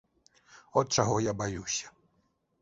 От чаго я баюся.